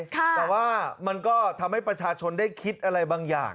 แต่ว่ามันก็ทำให้ประชาชนได้คิดอะไรบางอย่าง